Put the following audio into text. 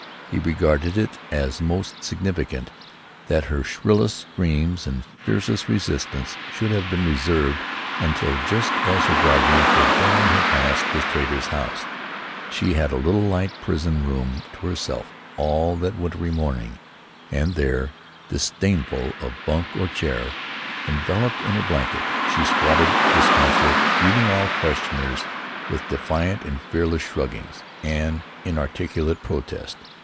He regarded it as most significant that her shrillest screams and fiercest resistance should have been reserved until just as her guardians were bearing her past the trader's house. She had the little light prison room to herself all that wintry morning, and there, disdainful of bunk or chair, enveloped in her blanket, she squatted disconsolate, greeting all questioners with defiant and fearless shruggings and inarticulate protest.